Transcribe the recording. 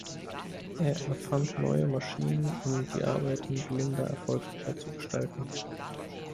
Er erfand neue Maschinen, um die Arbeiten Blinder erfolgreicher zu gestalten.